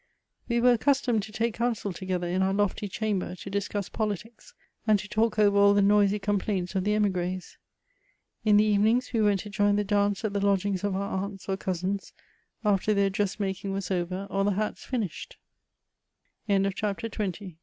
We were accustomed to take counsel tog^her in our l(^y chamber, to discuss politics, and to talk over all the noisy complaints of the hmgrh. In the evenings we went to join the dance at the lodgings of our aunts or cousins, af^ their dress i was over, or the